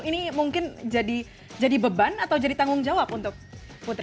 ini mungkin jadi beban atau jadi tanggung jawab untuk putri